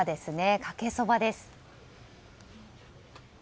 かけそばです。